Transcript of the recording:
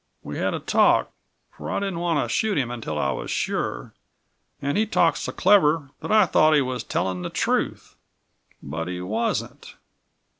We had a talk, for I didn't want to shoot him until I was sure, and he talked so clever that I thought he was telling the truth. But he wasn't."